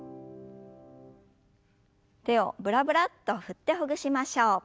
手をブラブラッと振ってほぐしましょう。